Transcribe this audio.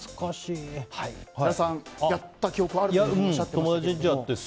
設楽さん、やった記憶があるとおっしゃっていましたけども。